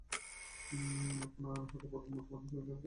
এখন আর উহাকে পূর্বের মত পুনঃপ্রতিষ্ঠিত করিবার উপায় নাই।